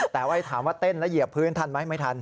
แต่ว่าถามว่าเต้นแล้วเหยียบพื้นทันไหมไม่ทัน